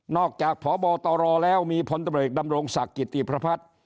นอกจากพบตรแล้วมีพตรดำรงศักดิ์กิติพระพัฒน์